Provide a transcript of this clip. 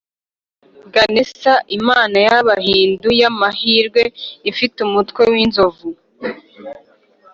ganesa, imana y’abahindu y’amahirwe ifite umutwe w’inzovu